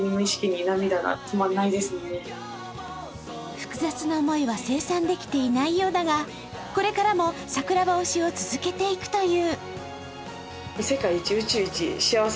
複雑な思いは清算できていないようだがこれからも櫻葉推しを続けていくという。